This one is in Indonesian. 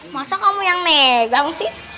masa kamu yang megang sih